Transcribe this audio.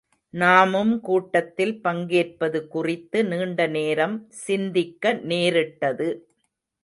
நாமும் கூட்டத்தில் பங்கேற்பது குறித்து நீண்ட நேரம் சிந்திக்க நேரிட்டது.